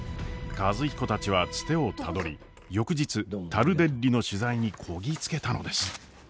和彦たちはツテをたどり翌日タルデッリの取材にこぎ着けたのです。